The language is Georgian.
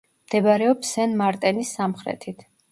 მდებარეობს სენ-მარტენის სამხრეთით.